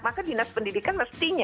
maka dinas pendidikan mestinya